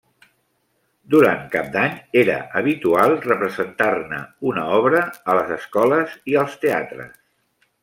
Durant cap d'any era habitual representar-ne una obra a les escoles i als teatres.